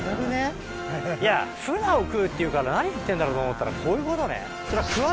いやフナを食うっていうから何言ってんだろうと思ったらこういうことね。